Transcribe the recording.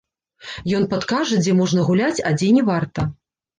Ён падкажа, дзе можна гуляць, а дзе не варта.